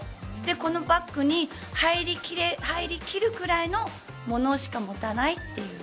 このバッグに入りきるくらいのものしか持たないっていう。